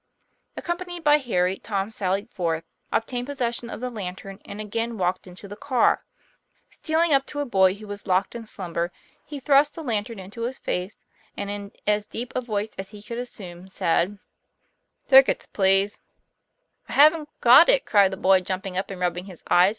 Accompanied by Harry, Tom sallied forth, ob tained possession of the lantern, and again walked into the car. Stealing up to a boy who was locked in slumber, he thrust the lantern into his face and, jn as deep a voice as he could assume, said; 40 TOM PLAYFAIR. 1 Tickets, please." ' I haven't got it," cried the boy, jumping up and rubbing his eyes.